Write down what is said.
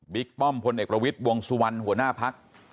บิ๊กป้อมพลเอกประวิทวงสุวรรค์หัวหน้าภักษ์